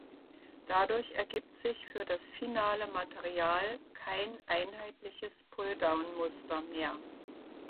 Dadurch ergibt sich für das finale Material kein einheitliches Pull-Down-Muster mehr.